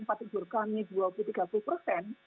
kenapa tidak terseksi karena kalau tidak sakit